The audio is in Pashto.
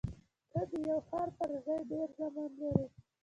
ته د یو خر پر ځای ډېر زامن لرې.